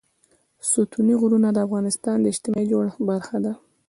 ستوني غرونه د افغانستان د اجتماعي جوړښت برخه ده.